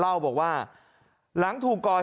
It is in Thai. หลังถูกก่อเหตุการณ์แล้วก็ชักปืนออกมาครับ